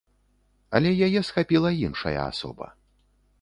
Але яе схапіла іншая асоба.